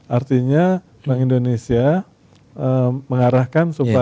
artinya bank indonesia mengarahkan supaya